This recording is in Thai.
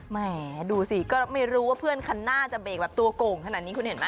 แหมดูสิก็ไม่รู้ว่าเพื่อนคันหน้าจะเบรกแบบตัวโก่งขนาดนี้คุณเห็นไหม